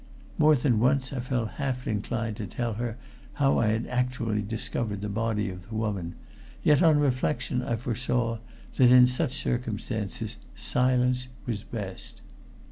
More than once I felt half inclined to tell her how I had actually discovered the body of the woman, yet on reflection I foresaw that in such circumstances silence was best.